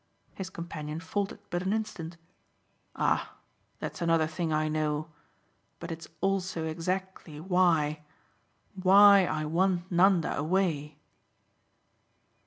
His companion faltered but an instant. "Ah that's another thing I know. But it's also exactly why. Why I want Nanda away."